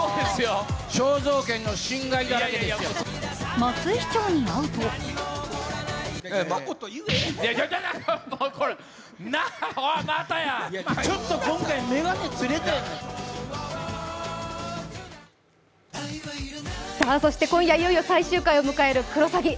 松井市長に会うとそして今夜、いよいよ最終回を迎える「クロサギ」。